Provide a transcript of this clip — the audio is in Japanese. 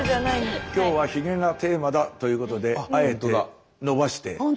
今日はひげがテーマだということであえて伸ばして。